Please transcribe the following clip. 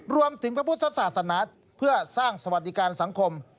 พระพุทธศาสนาเพื่อสร้างสวัสดิการสังคม